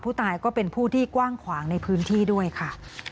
ผู้ตายก็เป็นผู้ที่กว้างขวางในพื้นที่ด้วยค่ะ